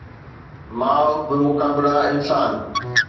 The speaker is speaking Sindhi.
ماء بمقابله انسان